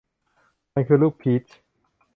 มันคือลูกพีช